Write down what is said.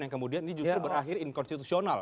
yang kemudian ini justru berakhir inkonstitusional